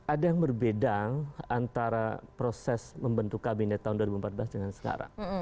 ada yang berbeda antara proses membentuk kabinet tahun dua ribu empat belas dengan sekarang